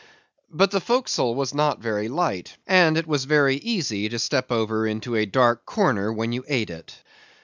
But the forecastle was not very light, and it was very easy to step over into a dark corner when you ate it.